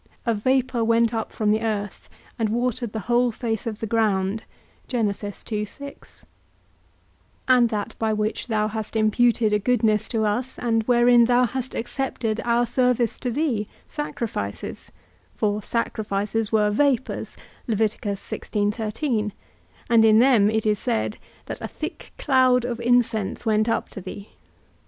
A vapour went up from the earth, and watered the whole face of the ground. And that by which thou hast imputed a goodness to us, and wherein thou hast accepted our service to thee, sacrifices; for sacrifices were vapours; and in them it is said, that a thick cloud of incense went up to thee.